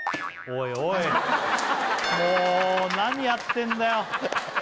おいおいもう何やってんだよ